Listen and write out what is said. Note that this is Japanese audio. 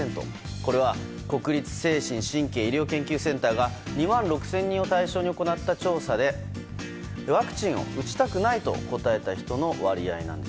これは国立精神・神経医療研究センターが２万６０００人を対象に行った調査でワクチンを打ちたくないと答えた人の割合なんです。